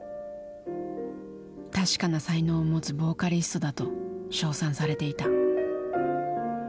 「確かな才能を持つボーカリストだ」と称賛されていた。